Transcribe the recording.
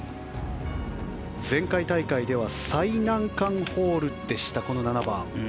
前回大会では最難関ホールでした、この７番。